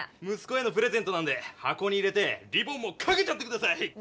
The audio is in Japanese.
むすこへのプレゼントなんではこに入れてリボンもかけちゃってください！